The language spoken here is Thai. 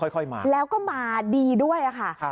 ค่อยมาแล้วก็มาดีด้วยค่ะ